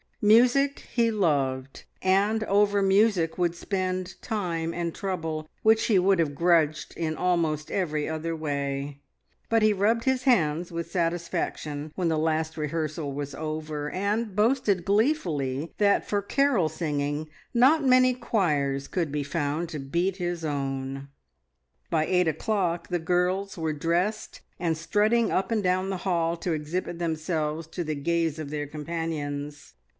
Music he loved, and over music would spend time and trouble which he would have grudged in almost every other way; but he rubbed his hands with satisfaction when the last rehearsal was over, and boasted gleefully that for carol singing not many choirs could be found to beat his own. By eight o'clock the girls were dressed and strutting up and down the hall to exhibit themselves to the gaze of their companions.